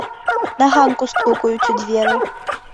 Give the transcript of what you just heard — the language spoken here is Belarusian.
На ганку стукаюць у дзверы.